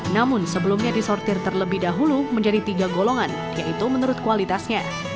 namun sebelumnya disortir terlebih dahulu menjadi tiga golongan yaitu menurut kualitasnya